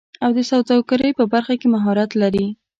او د سوداګرۍ په برخه کې مهارت لري